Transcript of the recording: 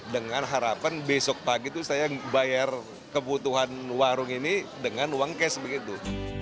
dengan harapan besok pagi itu saya bayar kebutuhan warung ini dengan uang cash begitu